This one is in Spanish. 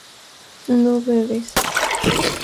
no bebes